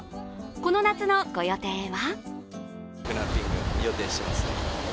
この夏のご予定は？